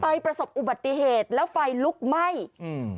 ประสบอุบัติเหตุแล้วไฟลุกไหม้อืม